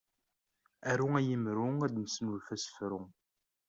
Aru ay imru ad d-nesnulfu asefru.